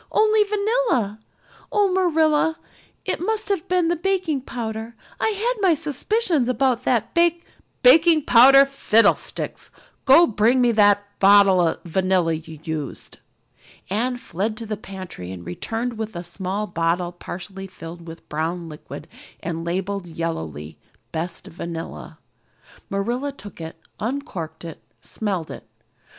"Only vanilla. Oh, Marilla, it must have been the baking powder. I had my suspicions of that bak " "Baking powder fiddlesticks! Go and bring me the bottle of vanilla you used." Anne fled to the pantry and returned with a small bottle partially filled with a brown liquid and labeled yellowly, "Best Vanilla." Marilla took it, uncorked it, smelled it.